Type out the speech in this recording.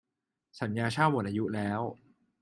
สัญญาเช่าหมดอายุแล้ว